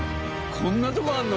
こんなとこあるの？